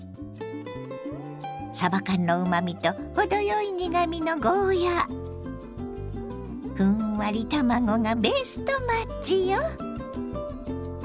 さば缶のうまみと程よい苦みのゴーヤーふんわり卵がベストマッチよ。